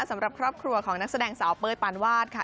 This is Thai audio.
สำหรับครอบครัวของนักแสดงสาวเป้ยปานวาดค่ะ